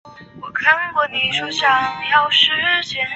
还有人认为其是由于被人欺负导致愤怒才造成这样的惨案。